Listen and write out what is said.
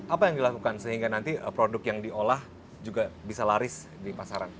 apa yang dilakukan sehingga nanti produk yang diolah juga bisa laris di pasaran